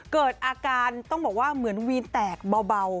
เกิดอาการต้องบอกว่าเหมือนวีนแตกเบา